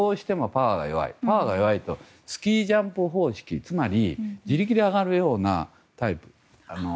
パワーが弱いとスキージャンプ方式、つまり自力で上がるようなタイプ。